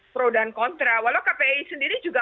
pro dan kontra walau kpi sendiri juga